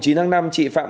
chị phạm nguyễn thị dung